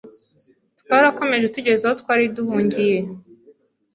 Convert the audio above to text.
Twarakomeje tugeze aho twari duhungiye